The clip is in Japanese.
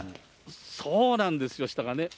そうなんですよ、下がね。